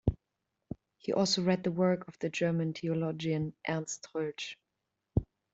He also read the work of the German theologian Ernst Troeltsch.